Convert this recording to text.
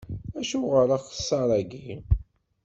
Acuɣer axeṣṣar-agi?